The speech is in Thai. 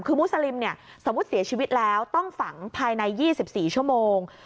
คือมุสลิมสมมุติเสียชีวิตแล้วต้องฝังภายใน๒๔ชั่วโมง